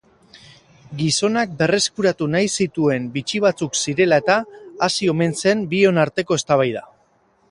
Gizonak berreskuratu nahi zituen bitxi batzuk zirela-eta hasi omen zen bion arteko eztabaida.